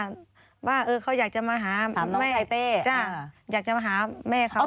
เข้ามีบอกด้วยนะโทรสับมาถามต้าเขาอยากจะมาหาแม่เขาอะ